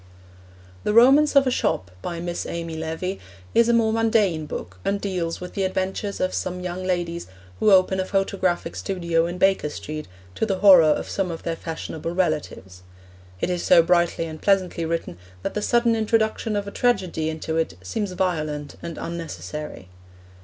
The Romance of a Shop, by Miss Amy Levy, is a more mundane book, and deals with the adventures of some young ladies who open a photographic studio in Baker Street to the horror of some of their fashionable relatives. It is so brightly and pleasantly written that the sudden introduction of a tragedy into it seems violent and unnecessary.